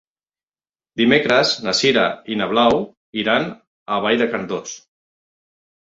Dimecres na Sira i na Blau iran a Vall de Cardós.